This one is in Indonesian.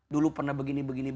dulu pernah begini begini